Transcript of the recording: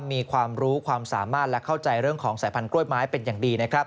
มีความรู้ความสามารถและเข้าใจเรื่องของสายพันธกล้วยไม้เป็นอย่างดีนะครับ